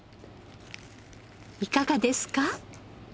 いかがですか？